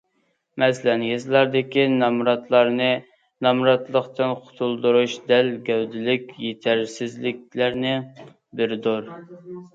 مەسىلەن: يېزىلاردىكى نامراتلارنى نامراتلىقتىن قۇتۇلدۇرۇش دەل گەۋدىلىك يېتەرسىزلىكلەرنىڭ بىرىدۇر.